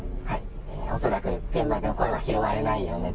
恐らく現場の声は拾われないよね、